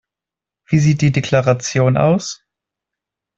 Wie sieht die Deklaration aus?